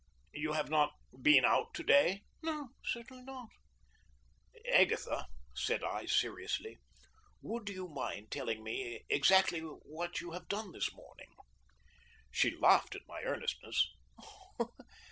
"You have not been out to day?" "No, certainly not." "Agatha," said I seriously, "would you mind telling me exactly what you have done this morning?" She laughed at my earnestness.